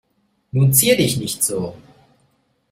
Nun zier dich nicht so.